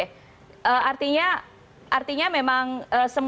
artinya artinya memang semuanya pembicaranya baik baik saja